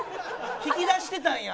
引き出してたんや。